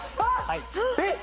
えっ！？